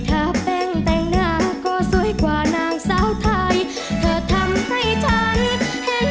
ถูกใจถูกใจจริง